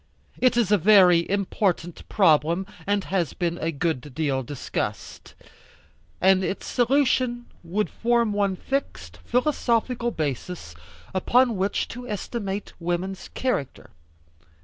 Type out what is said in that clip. It is a very important problem, and has been a good deal discussed, and its solution would form one fixed, philosophical basis, upon which to estimate woman's character.